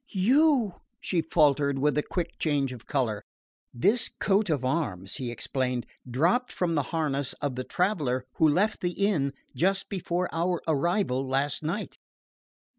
"You?" she faltered with a quick change of colour. "This coat of arms," he explained, "dropped from the harness of the traveller who left the inn just before our arrival last night."